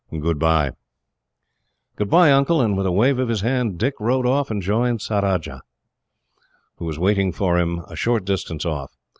"Goodbye." "Goodbye, Uncle;" and, with a wave of his hand, Dick rode off and joined Surajah, who was waiting for him a short distance off.